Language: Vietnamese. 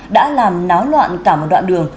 đã làm náo loạn cả một đoạn đường